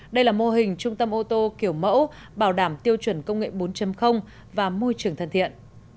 đây là mô hình trung tâm ô tô kiểu mẫu bảo đảm tiêu chuẩn công nghệ bốn và môi trường thân thiện